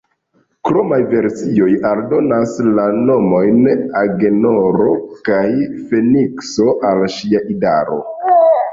Kromaj versioj aldonas la nomojn Agenoro kaj Fenikso al ŝia idaro.